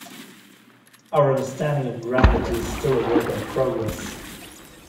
Our understanding of gravity is still a work in progress.